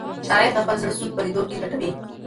شاعر د خپل زړه سود په لیدو کې لټوي.